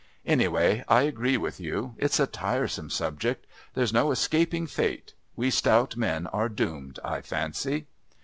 Anyway, I agree with you. It's a tiresome subject. There's no escaping fate. We stout men are doomed, I fancy."